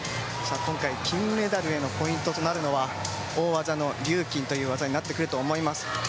今回、金メダルへのポイントとなるのは大技のリューキンという技になってくると思います。